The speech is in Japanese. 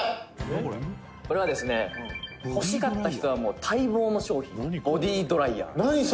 「これはですね欲しかった人は待望の商品ボディドライヤーです」